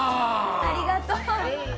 ありがとう。